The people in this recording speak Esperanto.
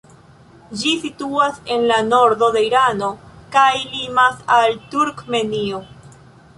Ĝi situas en la nordo de Irano kaj limas al Turkmenio.